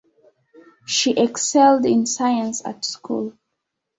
She excelled in science at school.